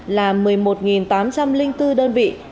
là một mươi một tám trăm linh bốn đơn vị